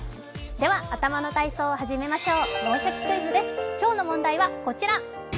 では、頭の体操を始めましょう。